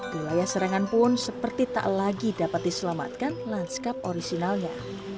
wilayah serangan pun seperti tak lagi dapat diselamatkan lanskap orisinalnya